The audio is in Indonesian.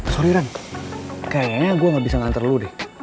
sorry ran kayaknya gue gak bisa nganter lu deh